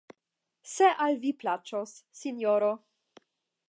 Se al vi plaĉos, Sinjoro.